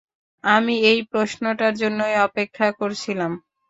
আমি এই প্রশ্নটার জন্যই অপেক্ষা করছিলাম।